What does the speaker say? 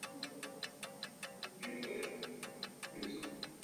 Nyumba yape iduagha inonekie kisaya.